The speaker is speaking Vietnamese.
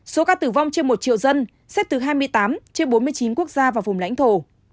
số ca tử vong trên một triệu dân xét thứ hai mươi tám trên bốn mươi chín quốc gia và vùng đánh thổ